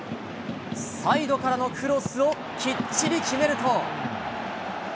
サイドからのクロスをきっちり決めると。